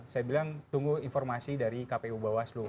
saya bilang tunggu informasi dari kpu bawaslu